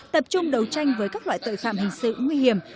tập trung đấu tranh với các loại tội phạm hình sự nguy hiểm